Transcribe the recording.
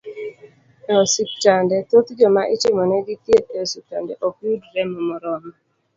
E osiptande, thoth joma itimonegi thieth e osiptande, ok yud remo moromo